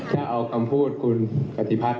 ถ้าเอากลับพูดคุณกฏิพัทย์